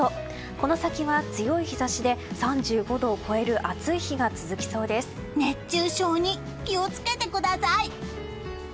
この先は、強い日差しで３５度を超える暑い日が熱中症に気を付けてください！